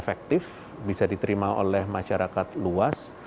bisa diterima oleh masyarakat luas bisa diterima oleh masyarakat luas